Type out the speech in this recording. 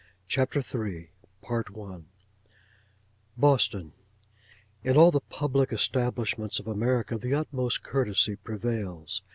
CHAPTER III BOSTON In all the public establishments of America, the utmost courtesy prevails.